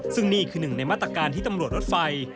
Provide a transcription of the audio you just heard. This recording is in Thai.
ซึ่งนี่คือหนึ่งในมาตรการที่ตำรวจรถไฟ